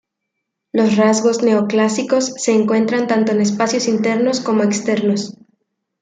Los rasgos neoclásicos se encuentran tanto en espacios internos como externos.